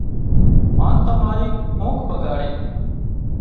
هان تماري اونگھ ٻڳاڙِي